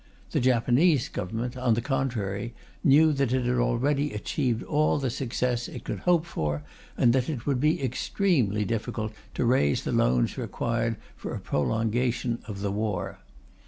The Japanese Government, on the contrary, knew that it had already achieved all the success it could hope for, and that it would be extremely difficult to raise the loans required for a prolongation of the war.